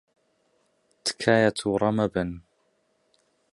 تکایە تووڕە مەبن.